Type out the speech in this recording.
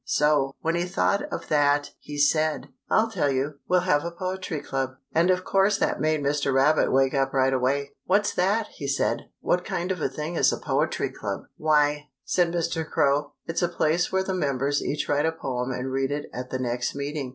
So, when he thought of that, he said: "I'll tell you. We'll have a poetry club." And of course that made Mr. Rabbit wake up right away. "What's that?" he said. "What kind of a thing is a poetry club?" "Why," said Mr. Crow, "it's a place where the members each write a poem and read it at the next meeting.